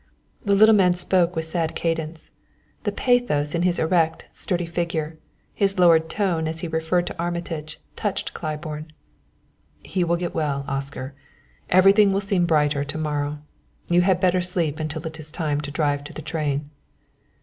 The little man spoke with sad cadence. A pathos in his erect, sturdy figure, his lowered tone as he referred to Armitage, touched Claiborne. "He will get well, Oscar. Everything will seem brighter to morrow. You had better sleep until it is time to drive to the train."